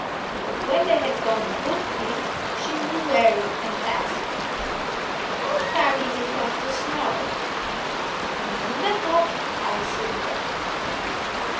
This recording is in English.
But when they had gone a good bit she grew weary, and asked, "How far is it off to Snoring?" "A mile and a half," answered Buttercup.